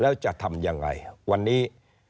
วันนี้